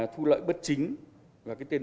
thu lợi bất chính và cái tiền